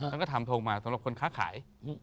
แล้วก็ทำโทรงมาสำหรับคนค้าขาย